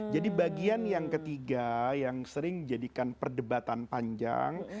jadi bagian yang ketiga yang sering menjadikan perdebatan panjang